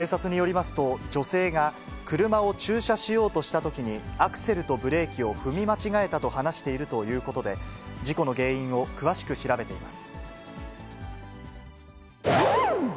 警察によりますと、女性が車を駐車しようとしたときに、アクセルとブレーキを踏み間違えたと話しているということで、事故の原因を詳しく調べています。